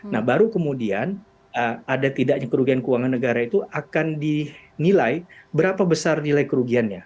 nah baru kemudian ada tidaknya kerugian keuangan negara itu akan dinilai berapa besar nilai kerugiannya